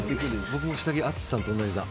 僕も下着、淳さんと同じだ。